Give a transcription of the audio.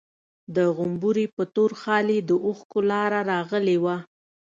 د غومبري په تور خال يې د اوښکو لاره راغلې وه.